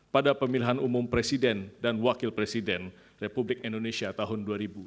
pada pemilihan umum presiden dan wakil presiden republik indonesia tahun dua ribu sembilan belas